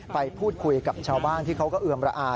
ไปพูดคุยกับชาวบ้านที่เขาก็เอือมระอา